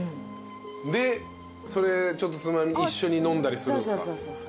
でそれちょっとつまみ一緒に飲んだりするんすか。